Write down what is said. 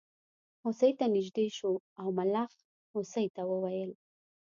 هوسۍ ته نژدې شو او ملخ هوسۍ ته وویل.